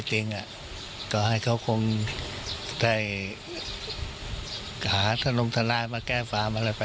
จริงก็ให้เขาคงได้ขาดนมทรายมาแก้ฟ้ามันเลยไป